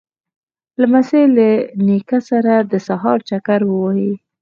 لمسی له نیکه سره د سهار چکر وهي.